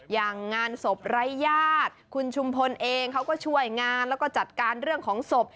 งานศพไร้ญาติคุณชุมพลเองเขาก็ช่วยงานแล้วก็จัดการเรื่องของศพ